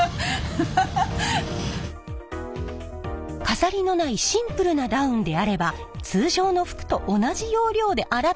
飾りのないシンプルなダウンであれば通常の服と同じ要領で洗ってもＯＫ！